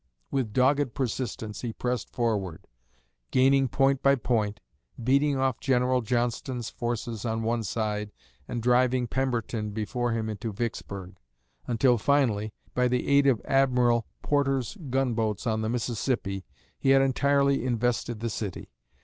With dogged persistence he pressed forward, gaining point by point, beating off General Johnston's forces on one side and driving Pemberton before him into Vicksburg; until finally, by the aid of Admiral Porter's gunboats on the Mississippi, he had entirely invested the city.